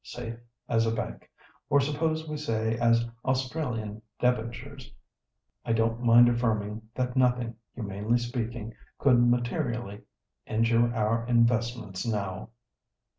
"'Safe as a bank,' or suppose we say as Australian debentures. I don't mind affirming that nothing, humanly speaking, could materially injure our investments now."